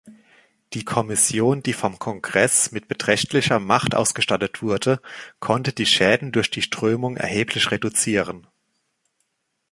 Die Kommission, die vom Kongress mit beträchtlicher Macht ausgestattet wurde, konnte die Schäden durch die Strömung erheblich reduzieren.